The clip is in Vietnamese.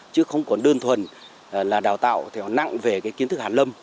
chứ không còn đơn thuần là đào tạo theo nặng về cái kiến thức hàn lâm